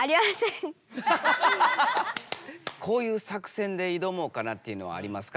こういう作戦でいどもうかなというのはありますか？